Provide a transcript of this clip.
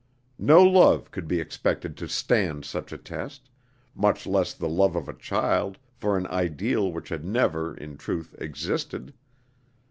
No love could be expected to stand such a test, much less the love of a child for an ideal which had never, in truth, existed.